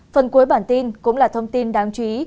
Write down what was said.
phần cuối bản tin cũng là thông tin đáng chú ý